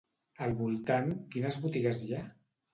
Al voltant, quines botigues hi ha?